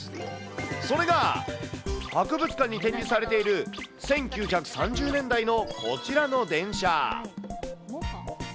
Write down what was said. それが、博物館に展示されている１９３０年代のこちらの電車。